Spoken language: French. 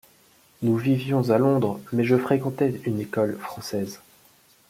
Nous vivions à Londres, mais je fréquentais une école française.